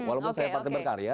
walaupun saya partai berkarya